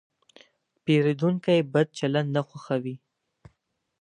پیرودونکی د بد چلند نه خوښوي.